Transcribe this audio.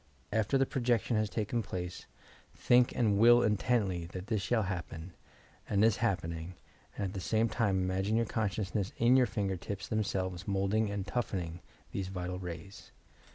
After the projection has taken place, think and will intently that this shall happen, and is happening, and at the same time imagine your consciousness in your finger tips themselves, moulding and "toughening" these vital rays.